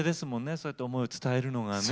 そうやって思いを伝えるのがね。